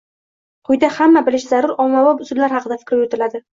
Quyida hamma bilishi zarur, ommabop usullar haqida fikr yuritiladi.